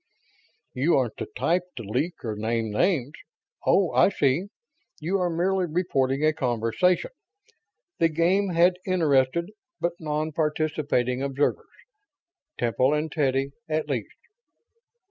"You aren't the type to leak or name names oh, I see. You are merely reporting a conversation. The game had interested, but non participating, observers. Temple and Teddy, at least."